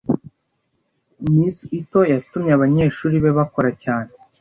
Miss Ito yatumye abanyeshuri be bakora cyane.